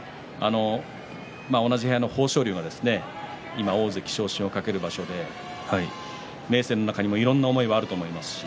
同じ部屋の豊昇龍が大関昇進を懸ける場所で明生の中にも思うところはあると思うんですけどね。